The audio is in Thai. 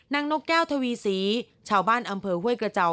นางนกแก้วทวีศีชาวบ้านอำเภอเว้ยกระเจา